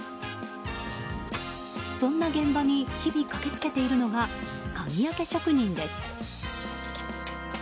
そんな現場に日々駆けつけているのが鍵開け職人です。